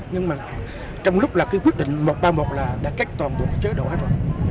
nhưng mà trong lúc là cái quyết định một trăm ba mươi một là đã cách toàn bộ cái chế độ hay rồi